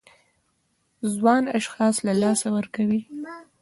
ځوان اشخاص له لاسه ورکوي.